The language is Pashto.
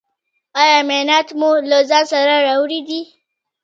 ایا معاینات مو له ځان سره راوړي دي؟